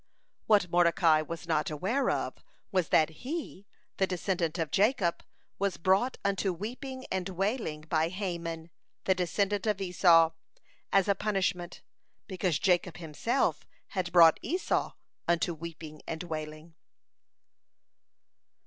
(125) What Mordecai was not aware of, was that he, the descendant of Jacob, was brought unto weeping and wailing by Haman, the descendant of Esau, as a punishment, because Jacob himself had brought Esau unto weeping and wailing.